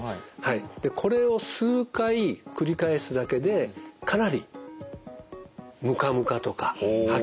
これを数回繰り返すだけでかなりムカムカとか吐き気はよくなります。